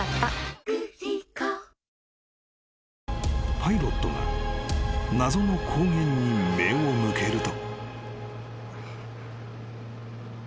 ［パイロットが謎の光源に目を向けると］